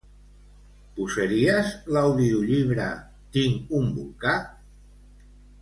Posaries l'audiollibre "Tinc un volcà"?